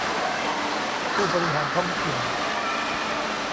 ผู้บริหารท้องถิ่น